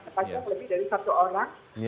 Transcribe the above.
lebih dari satu orang